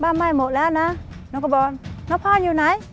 ไหม้หมดแล้วนะน้องก็บอกแล้วพ่ออยู่ไหน